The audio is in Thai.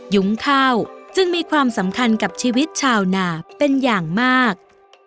ยุ้งข้าวจึงมีความสำคัญกับชีวิตชาวนาเป็นอย่างมาก